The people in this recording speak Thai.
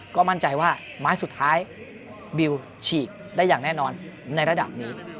ก็มั่นใจว่าไม้สุดท้ายบิวฉีกได้อย่างแน่นอนในระดับนี้